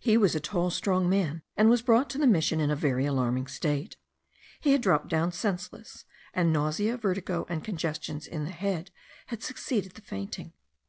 He was a tall strong man, and was brought to the mission in a very alarming state. He had dropped down senseless; and nausea, vertigo, and congestions in the head, had succeeded the fainting.